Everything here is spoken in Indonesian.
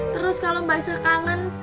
terus kalau mbak aisyah kangen